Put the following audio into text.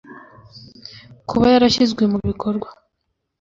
Kuba yarashyizwe mu bikorwa